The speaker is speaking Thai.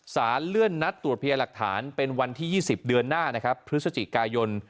สารเลื่อนนัดตรวจพยาหลักฐานเป็นวันที่๒๐เดือนหน้านะครับพฤศจิกายน